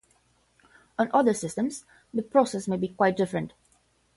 On other systems, the process may be quite different.